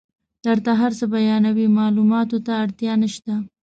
درته هر څه بیانوي معلوماتو ته اړتیا نشته.